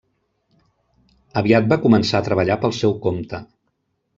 Aviat va començar a treballar pel seu compte.